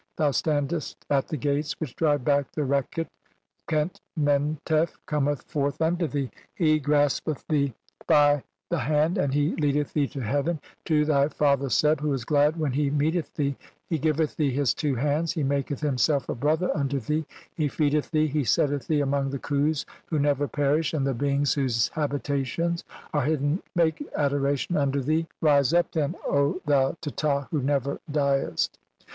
Thou standest at "the gates which drive back the Rekhit. Khent Men "tef cometh forth unto thee, he graspeth thee by THE ELY SI AN FIELDS OR HEAVEN. CXXTX "the hand, and he leadeth thee to heaven to thy fa "ther Seb who is glad when he meeteth thee ; he "giveth thee his two hands, he maketh himself a "brother unto thee, he feedeth thee, he setteth thee "among the Khus who never perish, and the beings "whose habitations are hidden make adoration unto "thee Rise up then, O thou Teta, who never "diest."